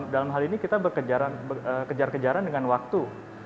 dalam hal ini kita berkejar kejaran dengan waktu